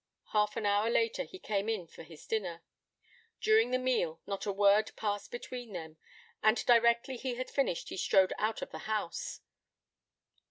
Half an hour later he came in for his dinner. During the meal not a word passed between them, and directly he had finished he strode out of the house.